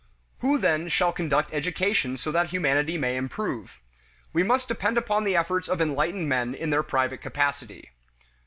Who, then, shall conduct education so that humanity may improve? We must depend upon the efforts of enlightened men in their private capacity.